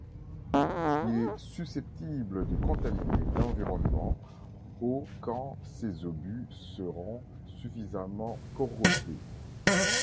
Il est susceptible de contaminer l'environnement, au quand ces obus seront suffisamment corrodés.